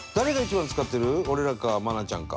俺らか愛菜ちゃんか。